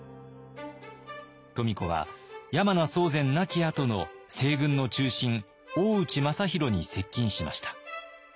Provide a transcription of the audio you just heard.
富子は山名宗全亡きあとの西軍の中心大内政弘に接近しました。